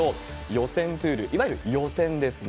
予選プール、いわゆる予選ですね。